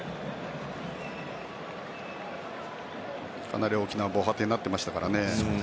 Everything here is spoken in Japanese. かなり大きな防波堤になっていましたからね。